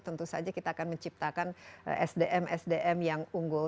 tentu saja kita akan menciptakan sdm sdm yang unggul